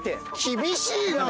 厳しいな！